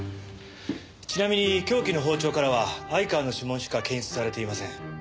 ちなみに凶器の包丁からは相川の指紋しか検出されていません。